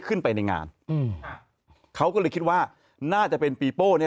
ขึ้นไปในงานอืมเขาก็เลยคิดว่าน่าจะเป็นปีโป้เนี้ย